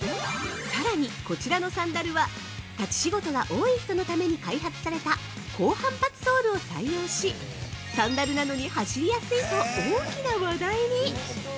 ◆さらに、こちらのサンダルは立ち仕事が多い人のために開発された高反発ソールを採用しサンダルなのに走りやすいと大きな話題に！